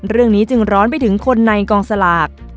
เรื่องนี้จึงร้อนไปถึงคนในกองสลาก